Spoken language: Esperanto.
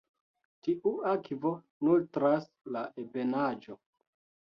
Tiu akvo nutras la ebenaĵo.